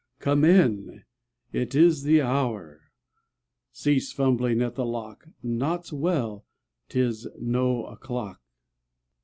Come in! It is the hour! Cease fumbling at the lock! Naught's well! 'Tis no o'clock!